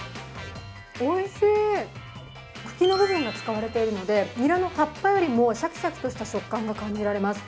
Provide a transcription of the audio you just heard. おいしい、茎の部分が使われているので、ニラの葉っぱよりもシャキシャキとした食感が感じられます。